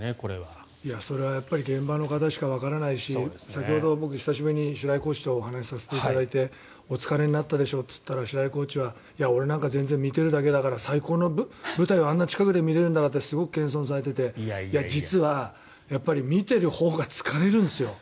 それはやっぱり現場の方しかわからないし先ほど僕、久しぶりに白井コーチとお話しさせていただいてお疲れになったでしょうと言ったら白井コーチは俺なんか全然見てるだけだから最高の舞台をあんな近くで見れるんだってすごく謙遜されていて実は見ているほうが疲れるんですよ。